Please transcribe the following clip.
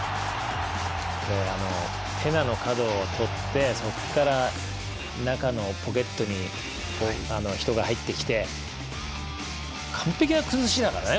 ペナの角をとってそこからポケットに人が入ってきて完璧な崩しだよね。